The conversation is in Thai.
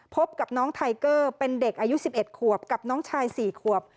พบกับน้องไทเกอร์เป็นเด็กอายุ๑๑ขวบกับน้องชาย๔ขวบ